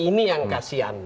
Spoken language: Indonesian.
ini yang kasian